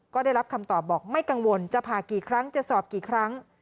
ก็ได้รับคำตอบบอกไม่กังวลจะผ่ากี่ครั้งจะสอบกี่ครั้ง